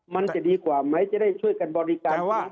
มันจะดีกว่าไหมจะได้ช่วยกันบริการว่า